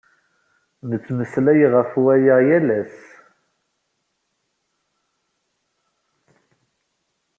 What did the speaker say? Nettemmeslay ɣef waya yal ass.